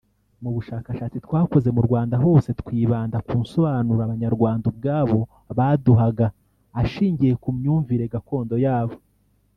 Mu bushakashatsi twakoze mu Rwanda hose twibanda ku nsobanuro Abanyarwanda ubwabo baduhaga ashingiye ku myumvire gakondo yabo